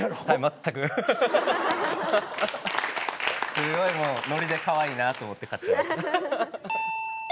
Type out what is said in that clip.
すごいもうノリでかわいいなと思って買っちゃいました。